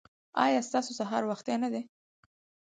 ایا ستاسو سهار وختي نه دی؟